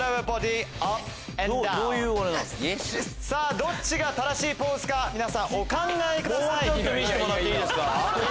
どっちが正しいポーズか皆さんお考えください。